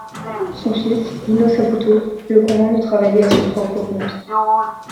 Son fils, Lino Saputo, le convainc de travailler à son propre compte.